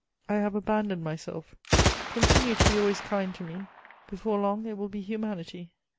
I have abandoned myself. Continue to be always kind to me: before long it will be humanity.